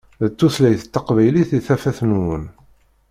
D tutlayt taqbaylit i tafat-nwen.